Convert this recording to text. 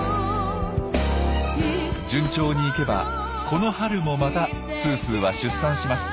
順調にいけばこの春もまたすーすーは出産します。